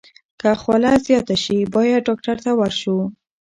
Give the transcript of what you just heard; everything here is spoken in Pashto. که خوله زیاته شي، باید ډاکټر ته ورشو.